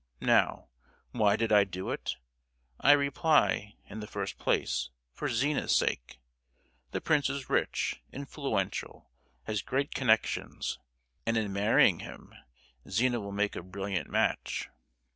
Now, why did I do it? I reply, in the first place, for Zina's sake. The prince is rich, influential, has great connections, and in marrying him Zina will make a brilliant match.